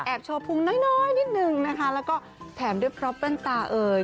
แอบโชว์ภูมิน้อยนิดนึงนะคะแล้วก็แถมด้วยปรับแว่นตาเอ่ย